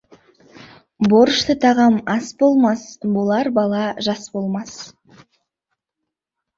Борышты тағам ас болмас, болар бала жас болмас.